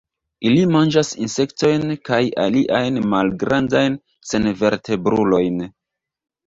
Ili manĝas insektojn kaj aliajn malgrandajn senvertebrulojn.